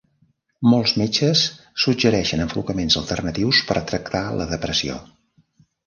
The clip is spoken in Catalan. Molts metges suggereixen enfocaments alternatius per tractar la depressió.